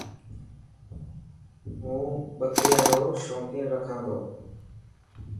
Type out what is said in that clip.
مون ٻڪريان رو شونق رکا تو.